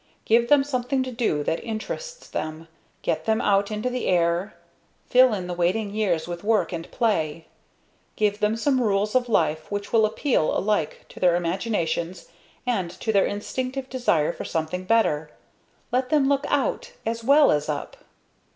Give them something to do that interests them. Get them out into the air. Fill in the waiting years with work and play. Give them some rules of life which will appeal alike to their imaginations and to their instinctive desire for something better. Let them look out as well as up.